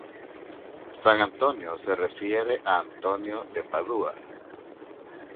San Antonio se refiere a Antonio de Padua.